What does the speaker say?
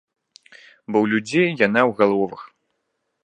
Бо ў людзей яна ў галовах.